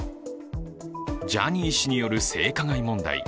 ジャニー氏による、性加害問題。